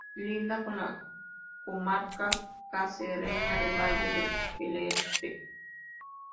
Linda con la comarca cacereña del Valle del Jerte.